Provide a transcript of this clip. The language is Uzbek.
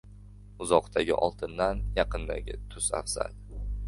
• Uzoqdagi oltindan yaqindagi tuz afzal.